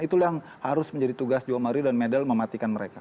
itulah yang harus menjadi tugas joe mario dan medel mematikan mereka